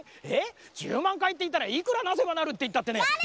えっ１０まんかいっていったらいくらなせばなるっていったってね。